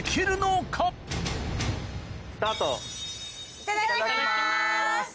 いただきます！